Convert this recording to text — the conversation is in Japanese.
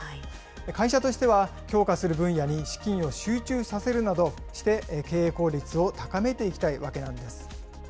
会社としては強化する分野に資金を集中させるなどして、経営効率を高めていきたいわけなんです。